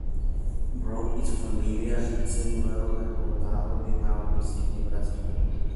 Brown y su familia se mudaron a Condado de Dawes, Nebraska.